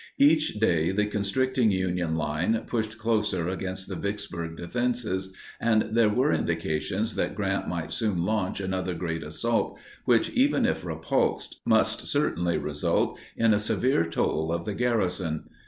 Each day the constricting Union line pushed closer against the Vicksburg defenses, and there were indications that Grant might soon launch another great assault which, even if repulsed, must certainly result in a severe toll of the garrison.